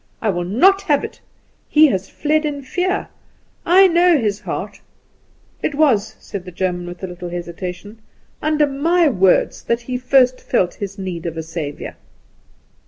I will not have it; he has fled in fear. I know his heart. It was," said the German, with a little gentle hesitation, "under my words that he first felt his need of a Saviour."